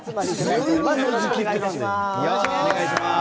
よろしくお願いします。